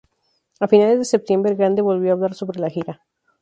A finales de septiembre, Grande volvió a hablar sobre la gira.